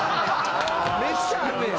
めっちゃあんねや。